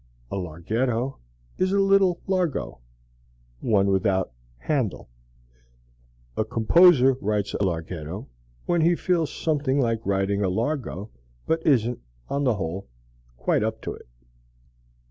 A larghetto is a little largo one without a handel. A composer writes a larghetto when he feels something like writing a largo but isn't, on the whole, quite up to it.